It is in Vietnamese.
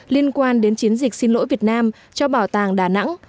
liên quan đến chiến dịch xin lỗi việt nam cho bảo tàng đà nẵng